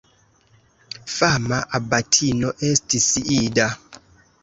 Fama abatino estis Ida.